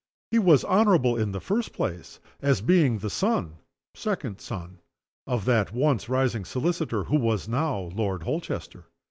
He was honorable, in the first place, as being the son (second son) of that once rising solicitor, who was now Lord Holchester.